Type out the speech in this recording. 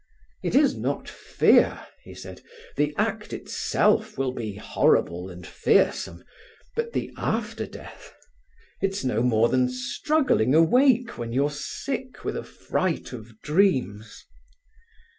"It is not fear," he said. "The act itself will be horrible and fearsome, but the after death—it's no more than struggling awake when you're sick with a fright of dreams.